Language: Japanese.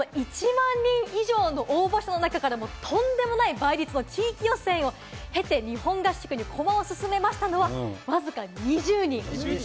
１万人以上の応募者の中から、とんでもない倍率の地域予選を経て日本合宿に駒を進めましたのはわずか２０人。